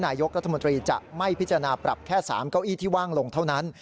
นายกรัฐมนตรีจะไม่พิจารณาปรับแค่๓เก้าอี้ที่ว่างลงเท่านั้น